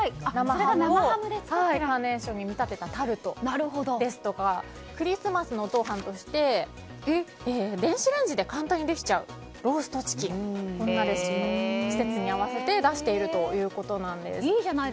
生ハムをカーネーションに見立てたタルトですとかクリスマスのおとう飯として電子レンジで簡単にできちゃうローストチキンこんなレシピを季節に合わせて出しているということなんです。